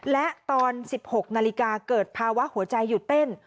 และตอน๑๖นาฬิกาเกิดภาวะหัวใจหยุดเต้น